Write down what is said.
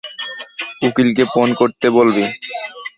উকিলকে phone করতে বলবি।